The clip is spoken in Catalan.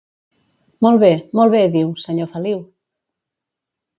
—Molt bé! —Molt bé diu, senyor Feliu!